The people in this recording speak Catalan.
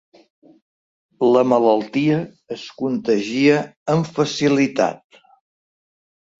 La malaltia es contagia amb facilitat.